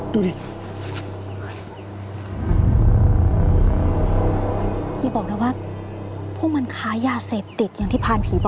ที่จะอยู่นี่